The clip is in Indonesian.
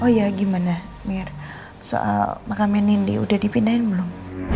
oh iya gimana mir soal makamnya nindi udah dipindahin belum